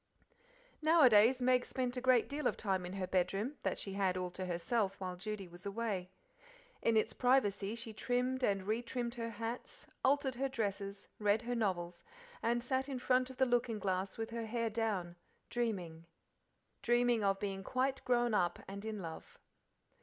Nowadays Meg spent a great deal of time in her bedroom, that she had all to herself while Judy was away. In its privacy she trimmed and retrimmed her hats, altered her dresses, read her novels, and sat in front of the looking glass with her hair down, dreaming of being quite grown up and in love.